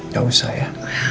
gak usah ya